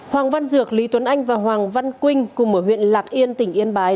hoàng văn dược lý tuấn anh và hoàng văn quynh cùng ở huyện lạc yên tỉnh yên bái